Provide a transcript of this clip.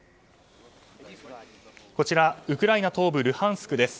こちらウクライナ東部のルハンスクです。